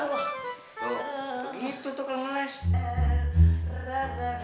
tuh gitu tuh kang les